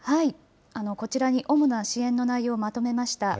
こちらに主な支援の内容をまとめました。